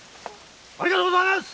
ありがとうございます！